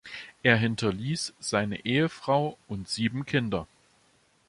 Er hinterließ seine Ehefrau und sieben Kinder.